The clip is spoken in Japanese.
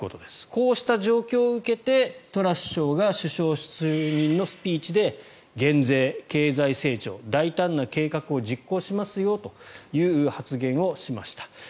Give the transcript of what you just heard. こうした状況を受けてトラス首相が首相就任のスピーチで減税、経済成長大胆な計画を実行しますよという発言をしました。